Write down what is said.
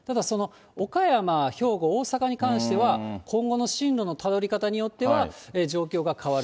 岡山、兵庫、大阪に関しては、今後の進路のたどり方によっては状況が変わる。